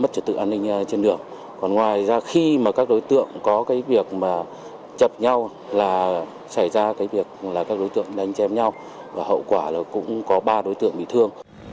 xảy ra cái việc là các đối tượng đánh chém nhau và hậu quả là cũng có ba đối tượng bị thương